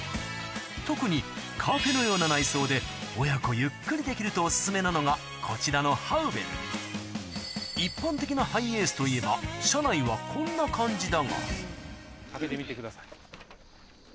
特にカフェのような内装で親子ゆっくりできるとオススメなのがこちらのハウベル一般的なハイエースといえば車内はこんな感じだが開けてみてください。